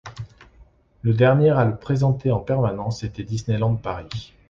Le dernier à le présenter en permanence était Disneyland Paris.